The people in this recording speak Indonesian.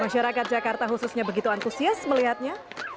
masyarakat jakarta khususnya begitu antusias melihatnya